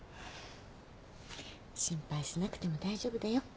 心配しなくても大丈夫だよ。